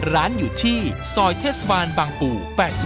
ร้านอยู่ที่ซอยเทศบาลบางปู่๘๔